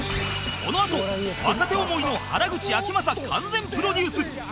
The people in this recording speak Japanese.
このあと若手思いの原口あきまさ完全プロデュース